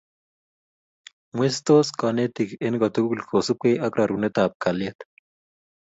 mweisot kanetik eng kotugul kosubgei ak rorunetab kalyet